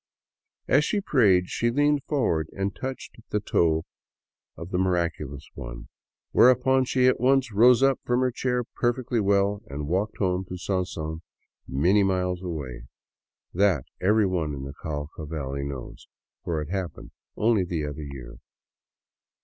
As she prayed, she leaned forward and touched the toe of the Mirac ulous One, whereupon she at once rose up from her chair perfectly well and walked home to Sonson, many miles away. That, every one in the Cauca valley knows, for it happened only the other year.